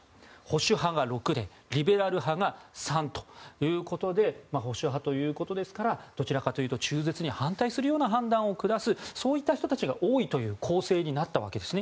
保守派が６でリベラル派が３ということで保守派ということですからどちらかというと中絶に反対するような判断を下すそういった人たちが多いという構成になったわけです。